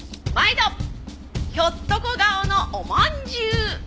ひょっとこ顔のおまんじゅう！